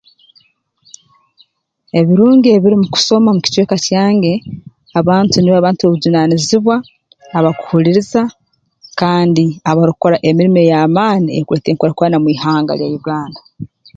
Ebirungi ebiri mu kusoma mu kicweka kyange abantu nibaha abantu obujunaanizibwa abarukuliriza kandi abarukukora emirimo ey'amaani eyeekuleeta enkurakurana mu ihanga lya Uganda